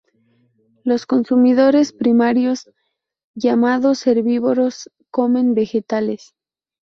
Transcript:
Los consumidores primarios, llamados herbívoros, comen vegetales.